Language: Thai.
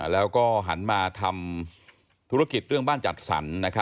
แล้วก็หันมาทำธุรกิจเรื่องบ้านจัดสรร